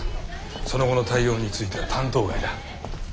その後の対応については担当外だ。